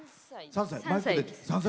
３歳。